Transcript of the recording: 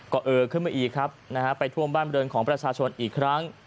ก็เออขึ้นมาอีกครับนะฮะไปท่วมบ้านบริเวณของประชาชนอีกครั้ง